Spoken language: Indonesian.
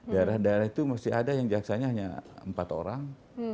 daerah daerah itu mesti ada yang jaksanya hanya empat orang